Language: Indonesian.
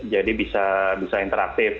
jadi bisa interaktif